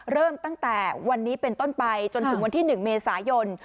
เริ่มตั้งแต่วันนี้เป็นต้นไปจนถึงวันที่๑เมษายน